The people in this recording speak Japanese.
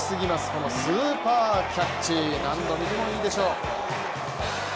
このスーパーキャッチ、何度見てもいいでしょう。